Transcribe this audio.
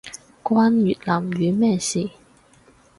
關越南語咩事